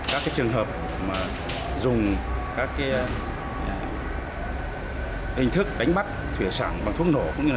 các trường hợp dùng các hình thức đánh bắt thủy sản bằng thuốc nổ